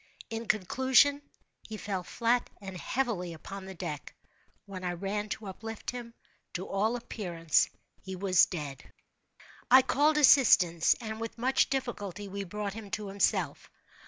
In conclusion, he fell flat and heavily upon the deck. When I ran to uplift him, to all appearance he was dead. I called assistance, and, with much difficulty, we brought him to himself.